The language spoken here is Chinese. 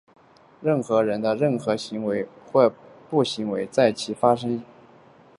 任何人的任何行为或不行为,在其发生时依国家法或国际法均不构成刑事罪者,不得被判为犯有刑事罪。